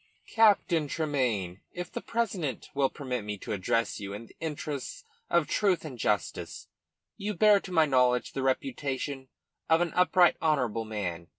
"Captain Tremayne if the president will permit me to address you in the interests of truth and justice you bear, to my knowledge, the reputation of an upright, honourable man.